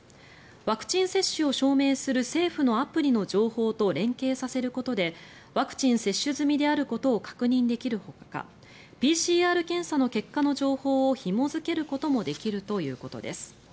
ワクチン接種を証明する政府のアプリの情報と連携させることでワクチン接種済みであることを確認できるほかＰＣＲ検査の結果の情報をひも付けることもできるということです。